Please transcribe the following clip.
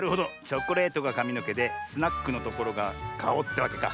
チョコレートがかみのけでスナックのところがかおってわけか。